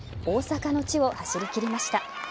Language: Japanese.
大阪の地を走りきりました。